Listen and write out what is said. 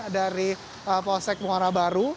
dari polsek muara baru